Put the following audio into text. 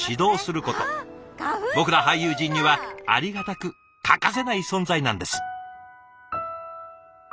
僕ら俳優陣にはありがたく欠かせない存在なんです。